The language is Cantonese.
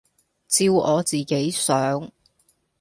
照我自己想，